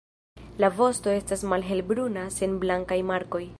La vosto estas malhelbruna sen blankaj markoj.